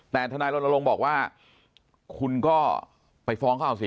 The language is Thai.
แต่ทนายรณรงค์บอกว่าคุณก็ไปฟ้องเขาเอาสิ